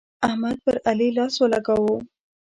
احمد پر علي لاس ولګاوو.